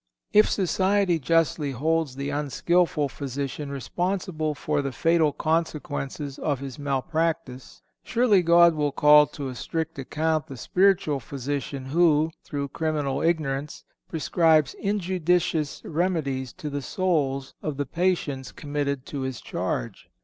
If society justly holds the unskilful physician responsible for the fatal consequences of his malpractice, surely God will call to a strict account the spiritual physician who, through criminal ignorance, prescribes injudicious remedies to the souls of the patients committed to his charge.